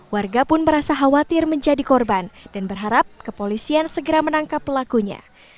warga pun merasa khawatir menjadi korban dan berharap kepolisian segera menangkap pelakunya